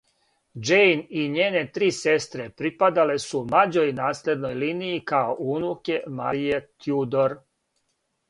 Џејн и њене три сестре припадале су млађој наследној линији као унуке Марије Тјудор.